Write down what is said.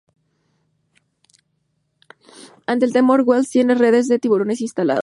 Ante el temor, Wells tiene redes de tiburones instalados.